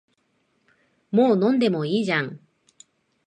もう飲んでもいいじゃん